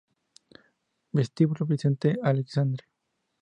Vestíbulo Vicente Aleixandre